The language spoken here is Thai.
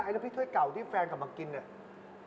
แล้วพี่ถ้วยเก่าที่แฟนกลับมากินเนี่ย